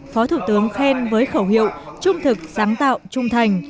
phó thủ tướng khen với khẩu hiệu trung thực sáng tạo trung thành